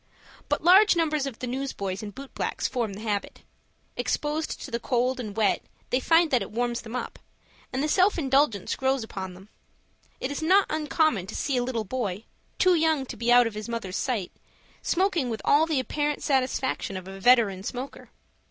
But large numbers of the newsboys and boot blacks form the habit. Exposed to the cold and wet they find that it warms them up, and the self indulgence grows upon them. It is not uncommon to see a little boy, too young to be out of his mother's sight, smoking with all the apparent satisfaction of a veteran smoker.